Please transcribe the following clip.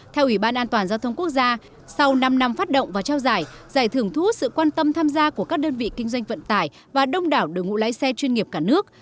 theo ủy ban an toàn giao thông quốc gia sau năm năm phát động và trao giải giải thưởng thu hút sự quan tâm tham gia của các đơn vị kinh doanh vận tải và đông đảo đối ngũ lái xe chuyên nghiệp cả nước